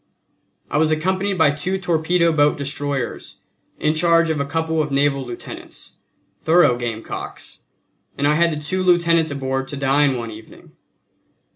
I was accompanied by two torpedo boat destroyers, in charge of a couple of naval lieutenants, thorough gamecocks; and I had the two lieutenants aboard to dine one evening.